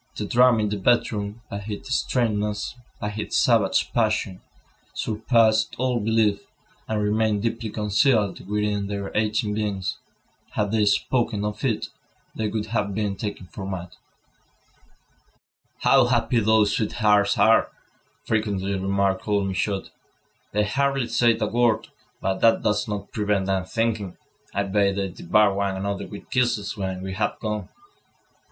The drama in the bedroom, by its strangeness, by its savage passion, surpassed all belief, and remained deeply concealed within their aching beings. Had they spoken of it, they would have been taken for mad. "How happy those sweethearts are!" frequently remarked old Michaud. "They hardly say a word, but that does not prevent them thinking. I bet they devour one another with kisses when we have gone."